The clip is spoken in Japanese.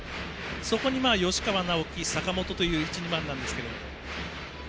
そこに、吉川尚輝坂本という１、２番なんですが。